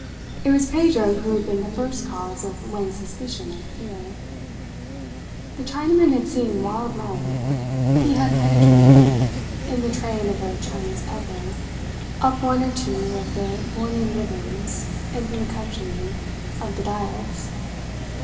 It was Pedro who had been the first cause of Wang's suspicion and fear. The Chinaman had seen wild men. He had penetrated, in the train of a Chinese pedlar, up one or two of the Bornean rivers into the country of the Dyaks.